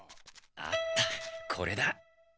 あったこれだ。